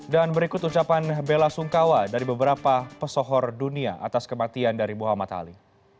dan berikut ucapan bella sungkawa dari beberapa pesohor dunia atas kematian dari muhammad ali